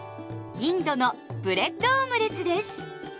インドのブレッドオムレツです。